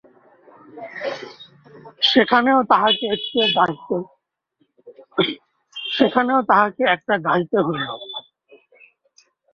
সেখানেও তাহাকে একটা গাহিতে হইল।